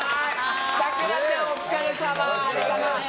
さくらちゃんお疲れさま。